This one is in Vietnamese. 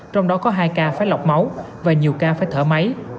trong đó có hai ca phải lọc máu và nhiều ca phải thở máy